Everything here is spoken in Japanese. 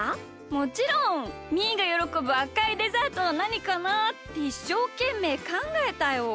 もちろん！みーがよろこぶあかいデザートはなにかなあ？っていっしょうけんめいかんがえたよ。